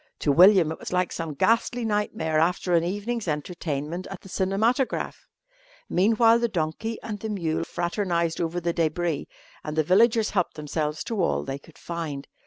To William it was like some ghastly nightmare after an evening's entertainment at the cinematograph. Meanwhile the donkey and the mule fraternised over the débris and the villagers helped themselves to all they could find.